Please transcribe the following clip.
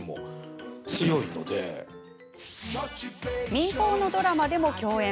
民放のドラマでも共演。